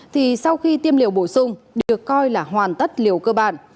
thì sau khi tiêm liều bổ sung được coi là hoàn tất liều cơ bản